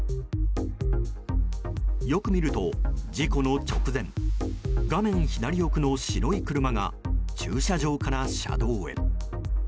よく見ると、事故の直前画面左奥の白い車が駐車場から車道へ。